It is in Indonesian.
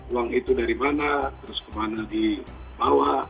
uang itu dari mana terus kemana di bawah